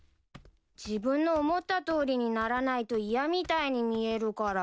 自分の思ったとおりにならないと嫌みたいに見えるから。